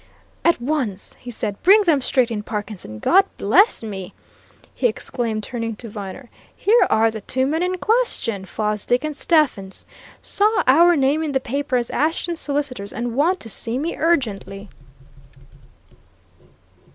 "At once!" he said. "Bring them straight in, Parkinson. God bless me!" he exclaimed, turning to Viner. "Here are the two men in question Fosdick and Stephens! Saw our name in the paper as Ashton's solicitors and want to see me urgently."